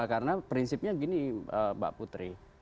karena prinsipnya gini mbak putri